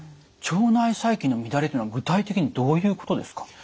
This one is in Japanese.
腸内細菌の乱れというのは具体的にどういうことですか？